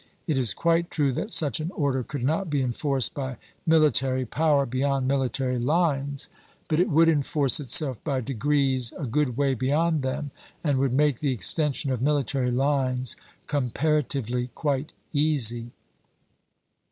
.. It is quite true that such an order could not be enforced by military power beyond military lines, but it would enforce itself by degrees a good way beyond them, and would make the extension of mihtary lines comparatively quite easy.